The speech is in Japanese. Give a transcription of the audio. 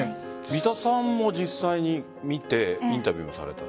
三田さんも実際に見てインタビューされた。